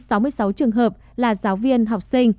có một trăm sáu mươi sáu trường hợp là giáo viên học sinh